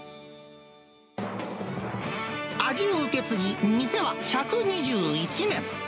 味を受け継ぎ、店は１２１年。